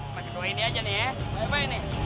paket dua ini saja ya